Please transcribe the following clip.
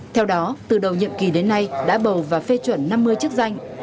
theo đó từ đầu nhiệm kỳ đến nay đã bầu và phê chuẩn năm mươi chức danh